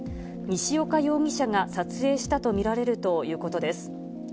西岡容疑者が撮影したと見られるということです。